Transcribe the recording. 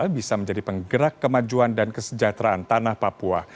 bisa menjadi penggerak kemajuan dan kesejahteraan tanah papua